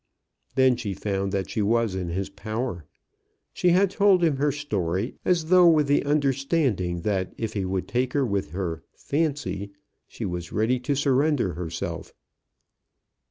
Then she found that she was in his power. She had told him her story, as though with the understanding that if he would take her with her "fancy," she was ready to surrender herself.